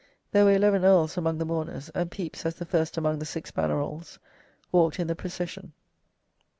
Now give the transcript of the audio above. There were eleven earls among the mourners, and Pepys, as the first among "the six Bannerolles," walked in the procession.